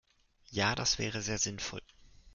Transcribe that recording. Ja, das wäre sehr sinnvoll.